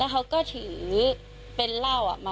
ครับ